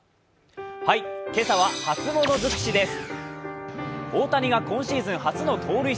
今朝は初ものづくしです。